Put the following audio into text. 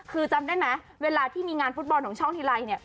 คือจำได้ไหมเวลาที่มีงานฟุตบอลของช่องทีไรเนี่ย